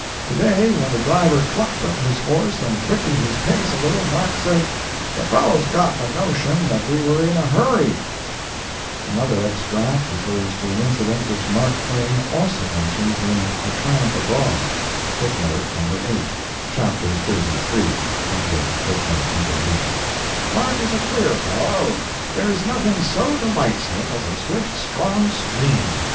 To day when the driver clucked up his horse and quickened his pace a little, Mark said, 'The fellow's got the notion that we were in a hurry.'" Another extract refers to an incident which Mark Twain also mentions in "A Tramp Abroad:" "Mark is a queer fellow. There is nothing so delights him as a swift, strong stream.